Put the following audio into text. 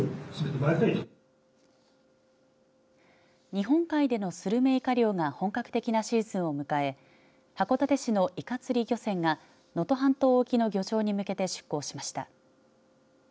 日本海でのスルメイカ漁が本格的なシーズンを迎え函館市のイカ釣り漁船が能登半島沖の漁場に向けて出港しました。